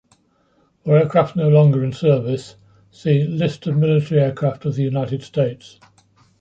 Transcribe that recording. For aircraft no longer in-service see List of military aircraft of the United States.